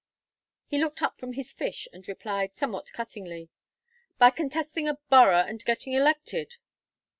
He looked up from his fish and replied, somewhat cuttingly, "By contesting a borough and getting elected."